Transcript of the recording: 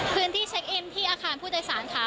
พื้นที่เช็คอินที่อาคารผู้โดยสารค่ะ